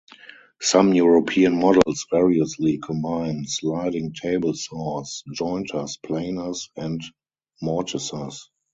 Some European models variously combine sliding tablesaws, jointers, planers, and mortisers.